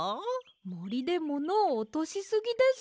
もりでものをおとしすぎです。